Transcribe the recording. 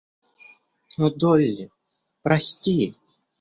Но, Долли, прости!